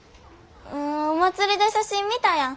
お祭りで写真見たやん。